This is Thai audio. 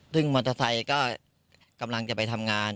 ซึ่งมอเตอร์ไซค์ก็กำลังจะไปทำงาน